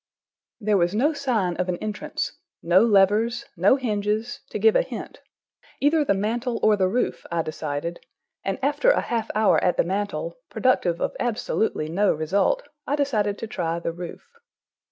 There was no sign of an entrance—no levers, no hinges, to give a hint. Either the mantel or the roof, I decided, and after a half hour at the mantel, productive of absolutely no result, I decided to try the roof.